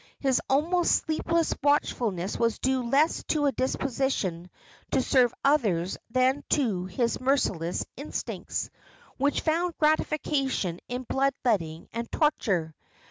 His almost sleepless watchfulness was due less to a disposition to serve others than to his merciless instincts, which found gratification in blood letting and torture.